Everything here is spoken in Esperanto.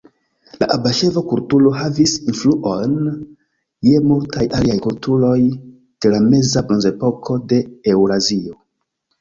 La abaŝevo-kulturo havis influon je multaj aliaj kulturoj de la Meza Bronzepoko de Eŭrazio.